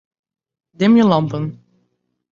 Dimje lampen.